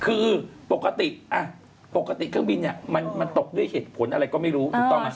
คือปกติเครื่องบินมันตกด้วยเหตุผลอะไรก็ไม่รู้